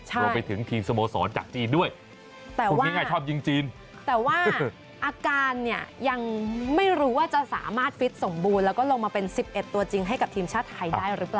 รวมไปถึงทีมสโมสรจากจีนด้วยแต่ว่าง่ายชอบยิงจีนแต่ว่าอาการเนี่ยยังไม่รู้ว่าจะสามารถฟิตสมบูรณ์แล้วก็ลงมาเป็น๑๑ตัวจริงให้กับทีมชาติไทยได้หรือเปล่า